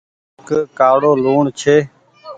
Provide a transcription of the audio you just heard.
ايڪ ڪآڙو لوڻ ڇي۔